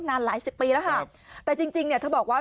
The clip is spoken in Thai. นานหลายสิบปีแล้วค่ะแต่จริงเนี่ยเธอบอกว่า